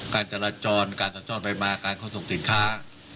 การจราจรการสัญจรไปมาการขนส่งสินค้า